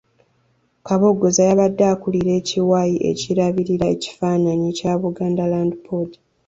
Kabogoza y'abadde akulira ekiwayi ekirabirira ekifaananyi kya Buganda Land Board.